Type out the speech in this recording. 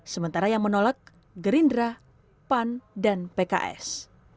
sementara yang menolak gerindra pan dan pks